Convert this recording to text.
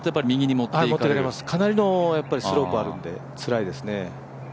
持っていかれます、かなりのスロープがあるのでつらいですね。